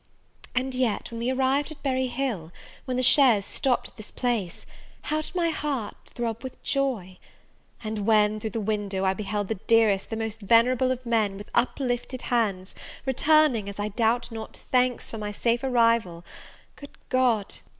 And yet, when we arrived at Berry Hill, when the chaise stopped at this place, how did my heart throb with joy! and when, through the window, I beheld the dearest, the most venerable of men, with uplifted hands, returning, as I doubt not, thanks for my safe arrival, good God!